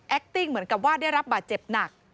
ติ้งเหมือนกับว่าได้รับบาดเจ็บหนัก